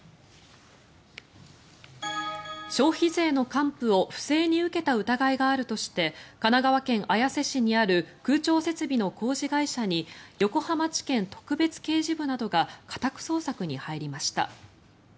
消費税の還付を不正に受けた疑いがあるとして神奈川県綾瀬市にある空調設備の工事会社に横浜地検特別刑事部などが家宅捜索に入りました。